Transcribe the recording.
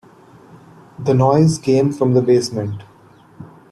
The noise came from the basement.